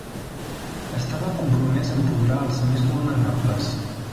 Estava compromès a empoderar als més vulnerables.